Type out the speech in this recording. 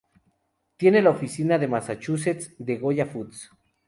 Tiene la oficina de Massachusetts de Goya Foods.